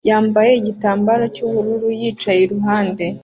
yambaye igitambaro cy'ubururu yicaye iruhande